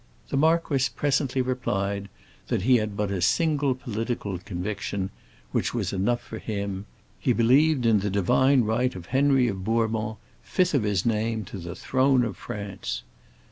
The marquis presently replied that he had but a single political conviction, which was enough for him: he believed in the divine right of Henry of Bourbon, Fifth of his name, to the throne of France.